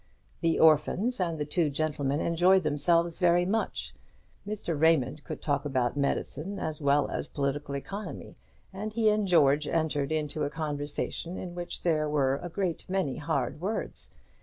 The orphans and the two gentlemen enjoyed themselves very much. Mr. Raymond could talk about medicine as well as political economy; and he and George entered into a conversation in which there were a great many hard words.